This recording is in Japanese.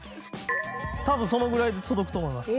多分そのぐらいで届くと思います。